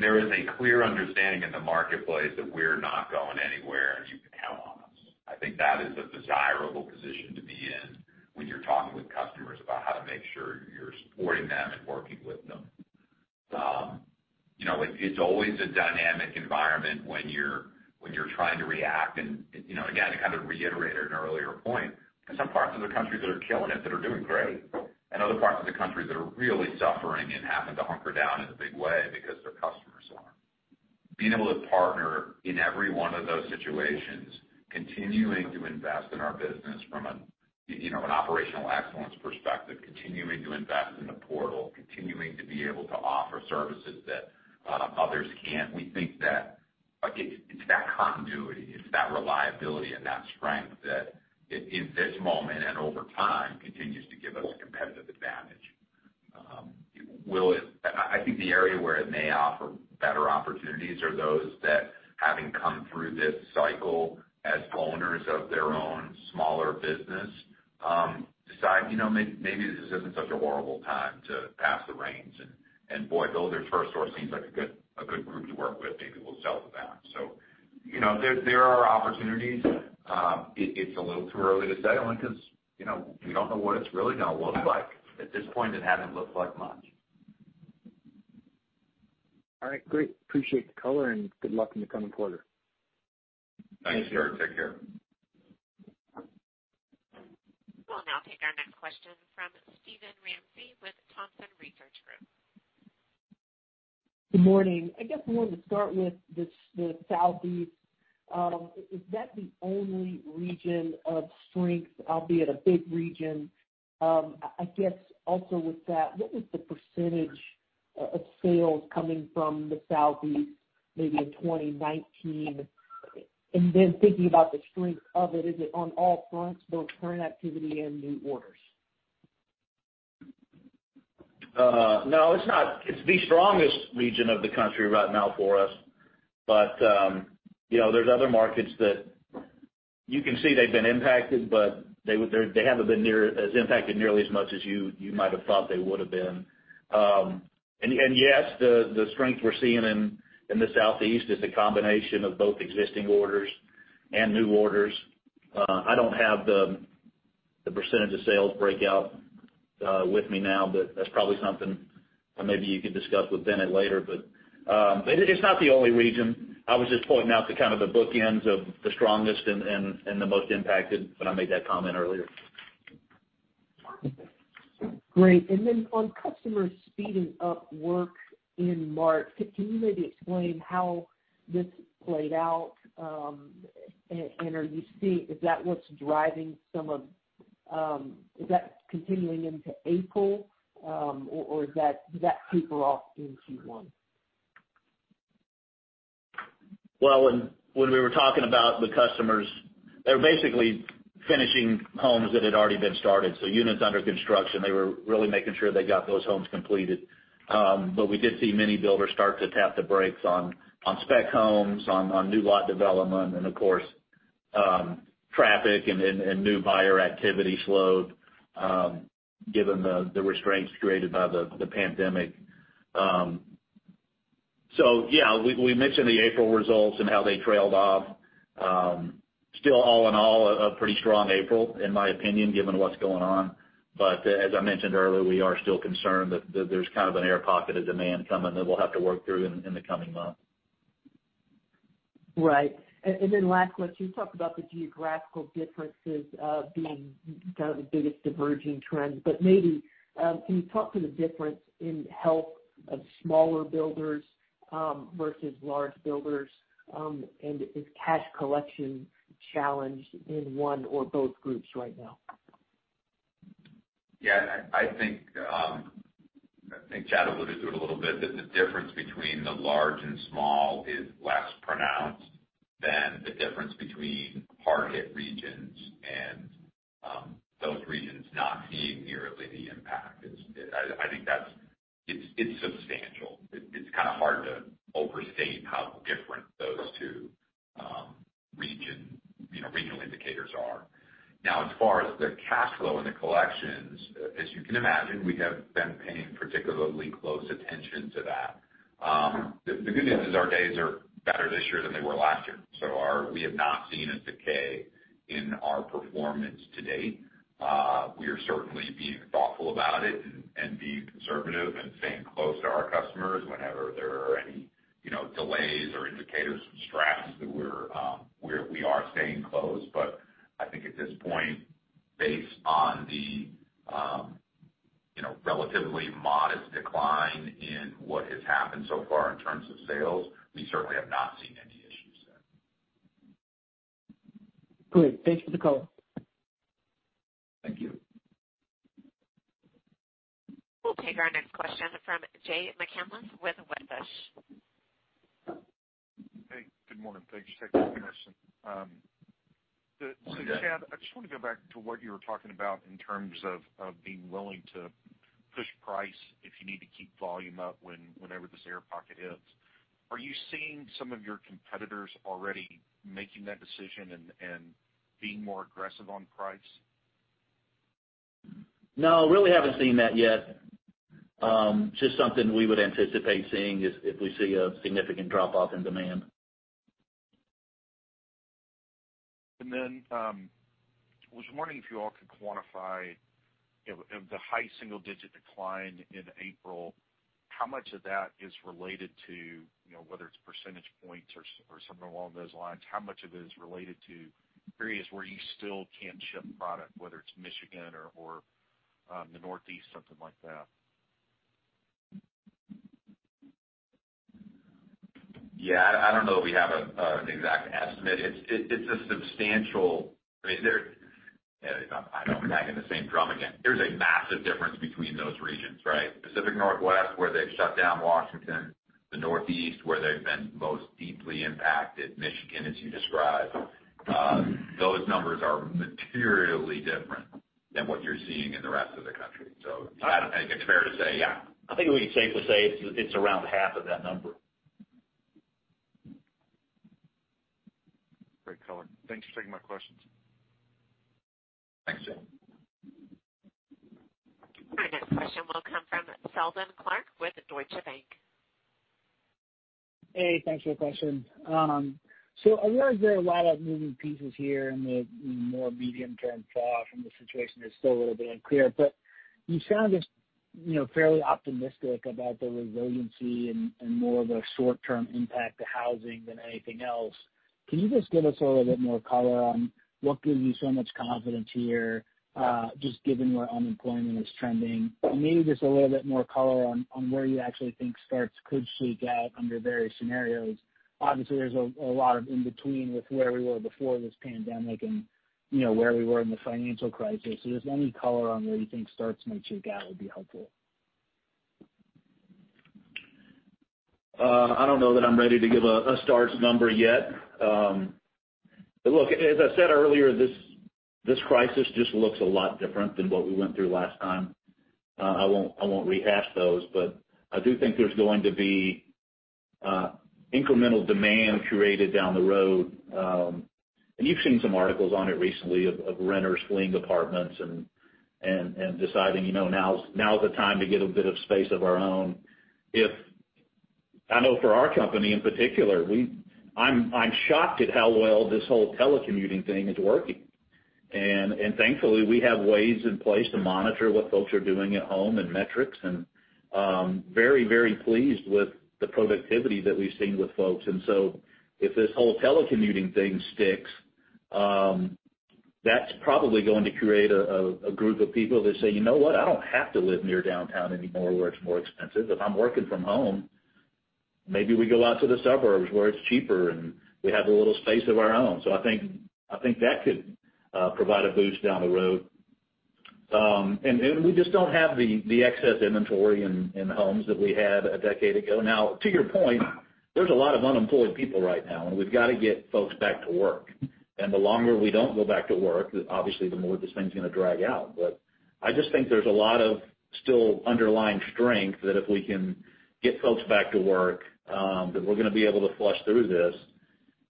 a clear understanding in the marketplace that we're not going anywhere, and you can count on us. I think that is a desirable position to be in when you're talking with customers about how to make sure you're supporting them and working with them. It's always a dynamic environment when you're trying to react. Again, to kind of reiterate an earlier point, there are some parts of the country that are killing it, that are doing great, and other parts of the country that are really suffering and having to hunker down in a big way because their customers are. Being able to partner in every one of those situations, continuing to invest in our business from an operational excellence perspective, continuing to invest in the portal, continuing to be able to offer services that others can't. We think that it's that continuity, it's that reliability and that strength that in this moment and over time, continues to give us competitive advantage. I think the area where it may offer better opportunities are those that, having come through this cycle as owners of their own smaller business, decide, maybe this isn't such a horrible time to pass the reins and boy, Builders FirstSource seems like a good group to work with. Maybe we'll sell to them. There are opportunities. It's a little too early to say, only because, we don't know what it's really going to look like. At this point, it hasn't looked like much. All right, great. Appreciate the color and good luck in the coming quarter. Thanks, Yinger. Take care. We'll now take our next question from Steven Ramsey with Thompson Research Group. Good morning. I guess I wanted to start with the Southeast. Is that the only region of strength, albeit a big region? I guess also with that, what was the percentage of sales coming from the Southeast maybe in 2019? Thinking about the strength of it, is it on all fronts, both current activity and new orders? No, it's not. It's the strongest region of the country right now for us. There's other markets that you can see they've been impacted, but they haven't been as impacted nearly as much as you might have thought they would have been. Yes, the strength we're seeing in the Southeast is a combination of both existing orders and new orders. I don't have the percentage of sales breakout with me now, but that's probably something maybe you could discuss with Binit later. It's not the only region. I was just pointing out the kind of the bookends of the strongest and the most impacted when I made that comment earlier. Great. On customers speeding up work in March, can you maybe explain how this played out? Is that continuing into April? Or did that taper off in Q1? When we were talking about the customers, they were basically finishing homes that had already been started, so units under construction. They were really making sure they got those homes completed. We did see many builders start to tap the brakes on spec homes, on new lot development, and of course, traffic and new buyer activity slowed, given the restraints created by the pandemic. Yeah, we mentioned the April results and how they trailed off. Still all in all, a pretty strong April, in my opinion, given what's going on. As I mentioned earlier, we are still concerned that there's kind of an air pocket of demand coming that we'll have to work through in the coming months. Right. Last question, you talked about the geographical differences being kind of the biggest diverging trend, but maybe can you talk to the difference in help of smaller builders versus large builders? Is cash collection challenged in one or both groups right now? Yeah, I think Chad alluded to it a little bit, that the difference between the large and small is less pronounced than the difference between hard-hit regions and those regions not seeing nearly the impact. I think it's substantial. It's kind of hard to overstate how different those two regional indicators are. Now as far as the cash flow and the collections, as you can imagine, we have been paying particularly close attention to that. The good news is our days are better this year than they were last year, so we have not seen a decay in our performance to date. We are certainly being thoughtful about it and being conservative and staying close to our customers. Whenever there are any delays or indicators of stress, we are staying close. I think at this point, based on the relatively modest decline in what has happened so far in terms of sales, we certainly have not seen any issues. Great. Thanks for the call. Thank you. We'll take our next question from Jay McCanless with Wedbush. Hey, good morning. Thanks for taking our questions. Good morning. Chad, I just want to go back to what you were talking about in terms of being willing to push price if you need to keep volume up whenever this air pocket hits. Are you seeing some of your competitors already making that decision and being more aggressive on price? No, really haven't seen that yet. Just something we would anticipate seeing is if we see a significant drop-off in demand. Then, I was wondering if you all could quantify, of the high single-digit decline in April, how much of that is related to, whether it's percentage points or something along those lines, how much of it is related to areas where you still can't ship product, whether it's Michigan or the Northeast, something like that? Yeah. I don't know that we have an exact estimate. I don't want to bang on the same drum again. There's a massive difference between those regions, right? Pacific Northwest, where they've shut down Washington, the Northeast, where they've been most deeply impacted, Michigan, as you described. Those numbers are materially different than what you're seeing in the rest of the country. I think it's fair to say. Yeah. I think we can safely say it's around half of that number. Great color. Thanks for taking my questions. Thanks, Jay. Our next question will come from Seldon Clarke with Deutsche Bank. Hey, thanks for the question. I realize there are a lot of moving pieces here and the more medium-term thoughtful situation is still a little bit unclear, but you sound fairly optimistic about the resiliency and more of a short-term impact to housing than anything else. Can you just give us a little bit more color on what gives you so much confidence here, just given where unemployment is trending? Maybe just a little bit more color on where you actually think starts could shake out under various scenarios. Obviously, there's a lot of in-between with where we were before this pandemic and where we were in the financial crisis. Just any color on where you think starts might shake out would be helpful. I don't know that I'm ready to give a starts number yet. Look, as I said earlier, this crisis just looks a lot different than what we went through last time. I won't rehash those, but I do think there's going to be incremental demand created down the road. You've seen some articles on it recently of renters fleeing apartments and deciding now's the time to get a bit of space of our own. I know for our company in particular, I'm shocked at how well this whole telecommuting thing is working. Thankfully, we have ways in place to monitor what folks are doing at home and metrics, and very pleased with the productivity that we've seen with folks. If this whole telecommuting thing sticks, that's probably going to create a group of people that say, You know what? I don't have to live near downtown anymore where it's more expensive. If I'm working from home, maybe we go out to the suburbs where it's cheaper, and we have a little space of our own. I think that could provide a boost down the road. We just don't have the excess inventory in homes that we had a decade ago. Now, to your point, there's a lot of unemployed people right now, we've got to get folks back to work. The longer we don't go back to work, obviously, the more this thing's going to drag out. I just think there's a lot of still underlying strength that if we can get folks back to work, that we're going to be able to flush through this.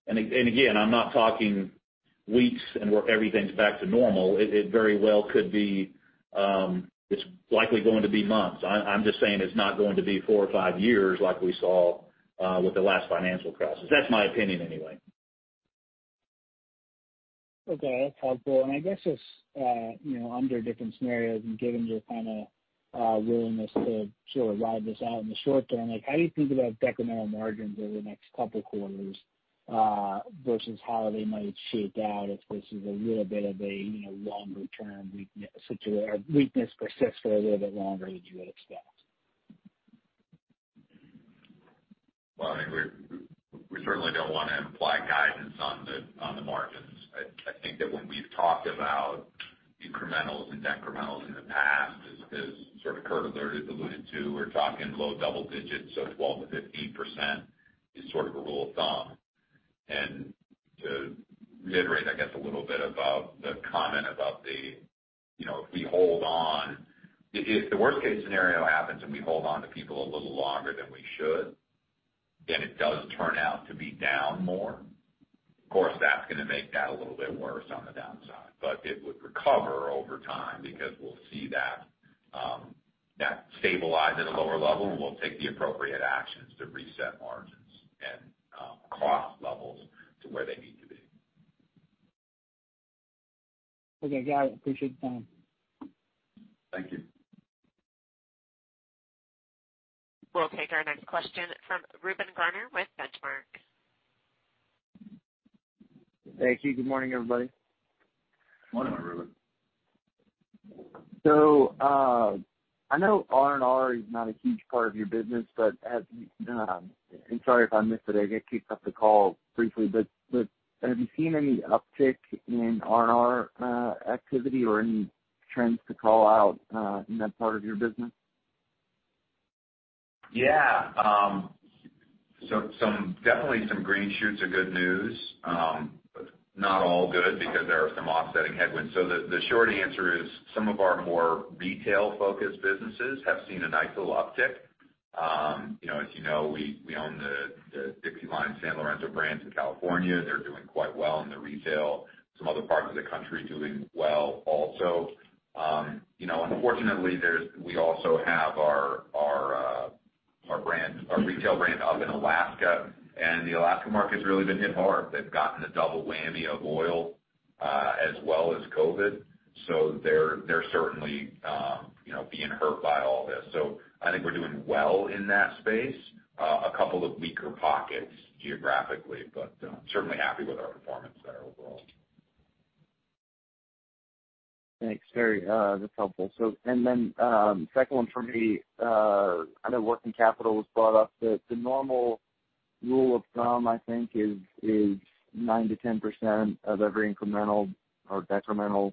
Again, I'm not talking weeks and where everything's back to normal. It very well could be, it's likely going to be months. I'm just saying it's not going to be four or five years like we saw with the last financial crisis. That's my opinion, anyway. Okay. That's helpful. I guess it's under different scenarios and given your kind of willingness to sort of ride this out in the short-term, how do you think about decremental margins over the next couple of quarters versus how they might shake out if this is a little bit of a longer-term weakness persists for a little bit longer than you had expected? Well, we certainly don't want to imply guidance on the margins. I think that when we've talked about incrementals and decrementals in the past, as sort of Kurt alluded to, we're talking low double-digits. 12%-15% is sort of a rule of thumb. To reiterate, I guess, a little bit about the comment about if we hold on. If the worst case scenario happens and we hold on to people a little longer than we should, and it does turn out to be down more, of course, that's going to make that a little bit worse on the downside. It would recover over time because we'll see that stabilize at a lower level, and we'll take the appropriate actions to reset margins and cost levels to where they need to be. Okay, got it. Appreciate the time. Thank you. We'll take our next question from Reuben Garner with Benchmark. Thank you. Good morning, everybody. Morning, Reuben. I know R&R is not a huge part of your business. Sorry if I missed it, I got kicked off the call briefly, but have you seen any uptick in R&R activity or any trends to call out in that part of your business? Definitely some green shoots are good news. Not all good because there are some offsetting headwinds. The short answer is some of our more retail-focused businesses have seen a nice little uptick. As you know, we own the Dixieline, San Lorenzo brands in California. They're doing quite well in the retail. Some other parts of the country doing well also. Unfortunately, we also have our retail brand up in Alaska, and the Alaska market's really been hit hard. They've gotten the double whammy of oil, as well as COVID-19. They're certainly being hurt by all this. I think we're doing well in that space. A couple of weaker pockets geographically, but certainly happy with our performance there overall. Thanks. That's helpful. Second one for me, I know working capital was brought up. The normal rule of thumb, I think is 9%-10% of every incremental or decremental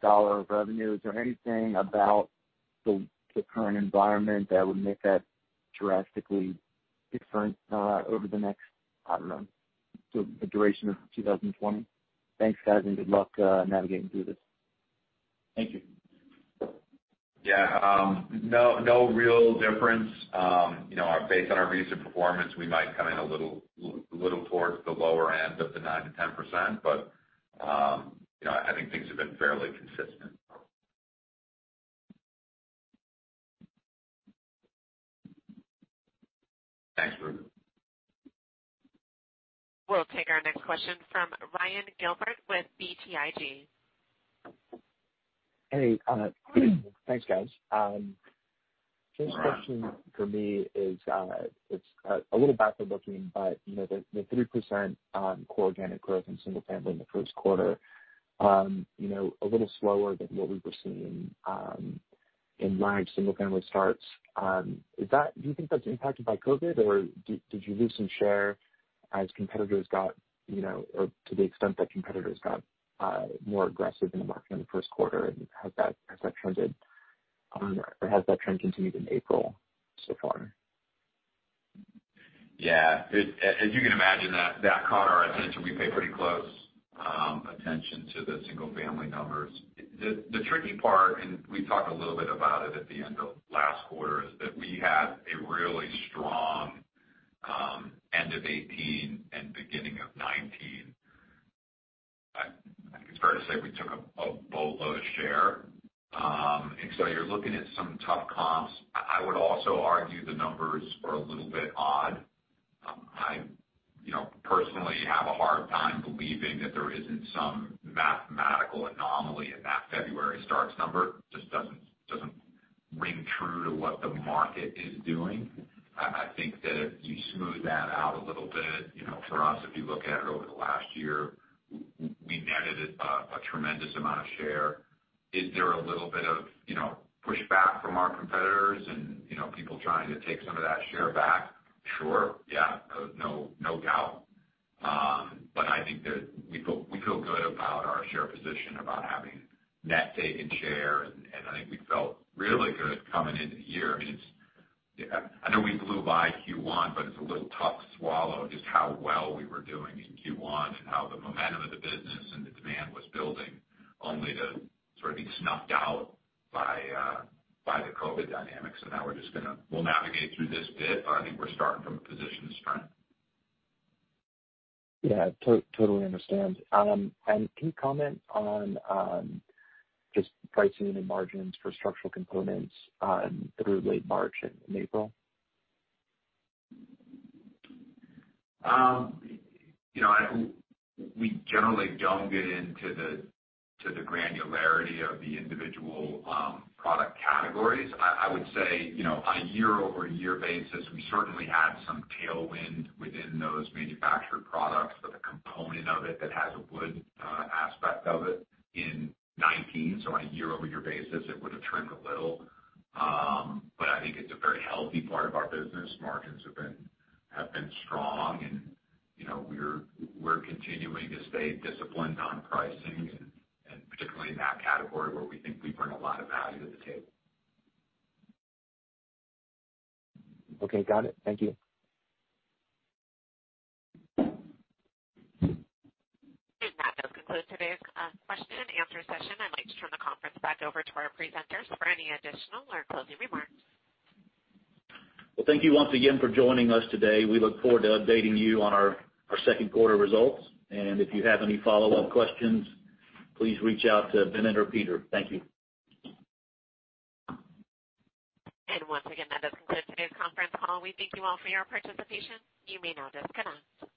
dollar of revenue. Is there anything about the current environment that would make that drastically different over the next, I don't know, the duration of 2020? Thanks, guys, and good luck navigating through this. Thank you. Yeah. No real difference. Based on our recent performance, we might come in a little towards the lower end of the 9%-10%, but I think things have been fairly consistent. Thanks, Reuben. We'll take our next question from Ryan Gilbert with BTIG. Hey. Thanks, guys. First question for me is, it's a little backward-looking. The 3% core organic growth in single family in the first quarter, a little slower than what we were seeing in live single family starts. Do you think that's impacted by COVID-19, or did you lose some share as competitors got more aggressive in the market in the first quarter? Has that trend continued in April so far? Yeah. As you can imagine, that caught our attention. We pay pretty close attention to the single family numbers. The tricky part, and we talked a little bit about it at the end of last quarter, is that we had a really strong end of 2018 and beginning of 2019. I think it's fair to say we took a boatload of share. So you're looking at some tough comps. I would also argue the numbers are a little bit odd. I personally have a hard time believing that there isn't some mathematical anomaly in that February starts number. Just doesn't ring true to what the market is doing. I think that if you smooth that out a little bit, for us, if you look at it over the last year, we netted a tremendous amount of share. Is there a little bit of pushback from our competitors and people trying to take some of that share back? Sure. Yeah. No doubt. I think that we feel good about our share position, about having net taken share, and I think we felt really good coming into the year. I know we flew by Q1, it's a little tough to swallow just how well we were doing in Q1 and how the momentum of the business and the demand was building, only to sort of be snuffed out by the COVID dynamics. Now we're just going to navigate through this bit, I think we're starting from a position of strength. Yeah. Totally understand. Can you comment on just pricing and margins for structural components through late March and April? We generally don't get into the granularity of the individual product categories. I would say, on a year-over-year basis, we certainly had some tailwind within those manufactured products for the component of it that has a wood aspect of it in 2019, so on a year-over-year basis, it would've trimmed a little. I think it's a very healthy part of our business. Margins have been strong and we're continuing to stay disciplined on pricing and particularly in that category where we think we bring a lot of value to the table. Okay. Got it. Thank you. That does conclude today's question and answer session. I'd like to turn the conference back over to our presenters for any additional or closing remarks. Well, thank you once again for joining us today. We look forward to updating you on our second quarter results. If you have any follow-up questions, please reach out to Binit or Peter. Thank you. Once again, that does conclude today's conference call. We thank you all for your participation. You may now disconnect.